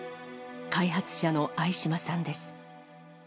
開発者の相嶋さんです。